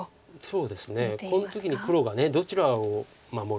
そうですねこの時に黒がどちらを守るか。